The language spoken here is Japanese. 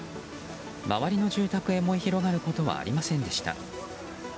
周りの住宅へ燃え広がることはありませんでした。